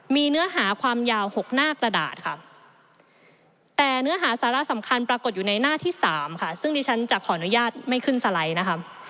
มีเนื้อหาความยาว๖หน้ากระดาษค่ะแต่เนื้อหาสาระสำคัญปรากฏอยู่ในหน้าที่สามค่ะซึ่งดิฉันจะขออนุญาตไม่ขึ้นสไลด์นะคะ